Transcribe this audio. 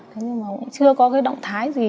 thế nhưng mà cũng chưa có cái động thái gì